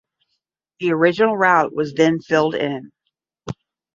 The original route was then filled in.